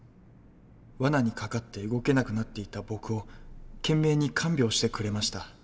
わなに掛かって動けなくなっていた僕を懸命に看病してくれました。